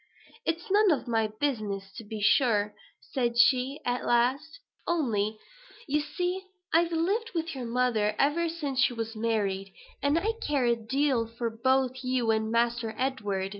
"It's none of my business, to be sure," said she at last: "only, you see, I've lived with your mother ever since she was married; and I care a deal for both you and Master Edward.